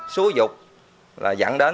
xúi dục dẫn đến